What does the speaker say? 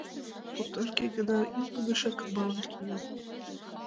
Пу терке гына ӱлнӧ, мешак ӱмбалне киен.